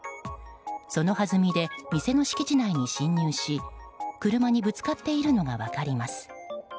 そのはずみで店の敷地内に侵入し車にぶつかっているのが分かります。